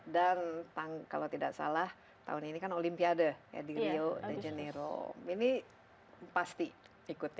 dan kalau tidak salah tahun ini kan olimpiade di rio de janeiro ini pasti ikut ya